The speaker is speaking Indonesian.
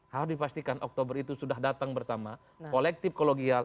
harus dipastikan oktober itu sudah datang bersama kolektif kologial